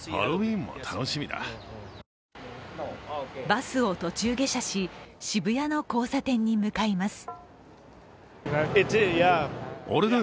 バスを途中下車し、渋谷の交差点に向かいます。